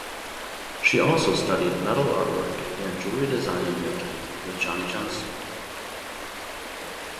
She also studied metal artwork and jewellery design and making with Johnny Johnstone.